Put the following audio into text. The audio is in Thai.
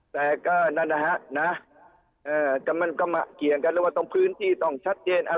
แต่ก็นั่นนะฮะมันก็เกี่ยวกันว่าต้องพื้นที่ต้องชัดเจน